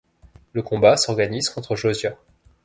Le combat s'organise contre Josiah.